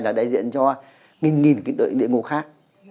là đại diện cho nghìn nghìn cái địa ngục khác